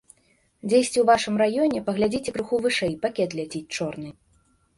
Дзесьці ў вашым раёне паглядзіце крыху вышэй пакет ляціць чорны.